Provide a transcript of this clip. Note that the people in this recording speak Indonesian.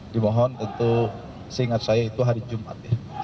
dimohon untuk seingat saya itu hari jumat